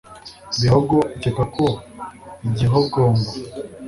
bihogo ukeka ko igihogomba